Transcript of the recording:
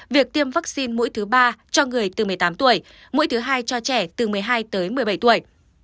việc tiêm vaccine mũi thứ ba cho người từ một mươi tám tuổi mũi thứ hai cho trẻ từ một mươi hai tới một mươi bảy tuổi